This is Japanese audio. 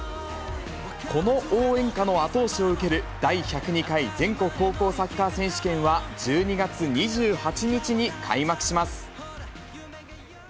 この応援歌の後押しを受ける第１０２回全国高校サッカー選手権は、１２月２８日に開幕します。